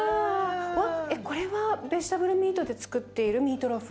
えっこれはベジタブルミートでつくっているミートローフ？